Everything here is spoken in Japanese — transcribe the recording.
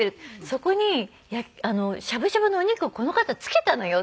そこに「しゃぶしゃぶのお肉をこの方つけたのよ」